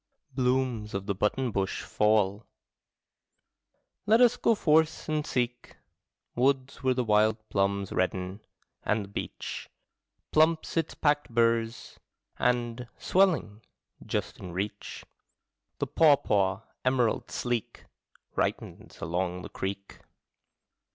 Blooms of the button bush fall. Let us go forth and seek Woods where the wild plums redden and the beech Plumps its packed burs: and, swelling, just in reach. The pawpaw, emerald sleek. Ripens along the creek.